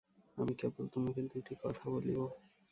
আমি কেবল তােমাকে দুটি কথা বলিব।